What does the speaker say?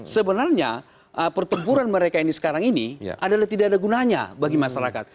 sebenarnya pertempuran mereka ini sekarang ini adalah tidak ada gunanya bagi masyarakat